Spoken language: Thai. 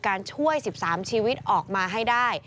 การช่วย๑๓ชีวิตออกมาให้ได้